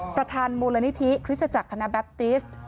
ประธานมูลนิธิคริสตจักรคณะแบปติส